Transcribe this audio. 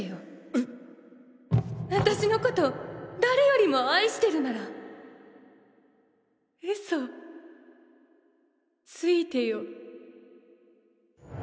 えっ私のことを誰よりも愛してるなら嘘ついてよ